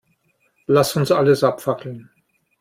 Lass uns alles abfackeln.